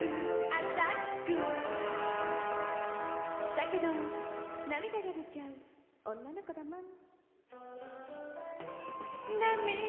「だけど涙が出ちゃう女の子だもん」